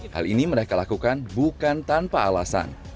hal ini mereka lakukan bukan tanpa alasan